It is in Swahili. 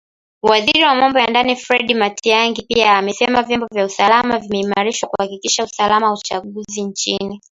Waziri wa Mambo ya Ndani Fred Matiang’i pia amesema vyombo vya usalama vimeimarishwa kuhakikisha usalama katika uchaguzi na nchi